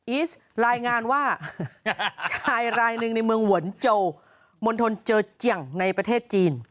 อีสรายงานว่าชายรายหนึ่งในเมืองหวนโจมณฑลเจอเจียงในประเทศจีน